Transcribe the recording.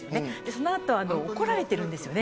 その後、怒られてるんです。